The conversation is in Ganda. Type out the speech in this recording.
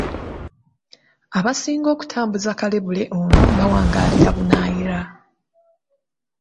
Abasinga okutambuza kalebule ono bawangaalira bunaayira